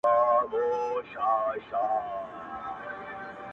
ورښودلي خپل استاد وه څو شعرونه!!